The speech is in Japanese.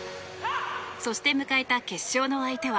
そして迎えた決勝の相手は